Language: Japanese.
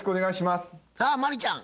さあ真理ちゃん